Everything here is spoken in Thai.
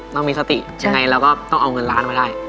เรามีสติยังไงเราก็ต้องเอาเงินล้านมาได้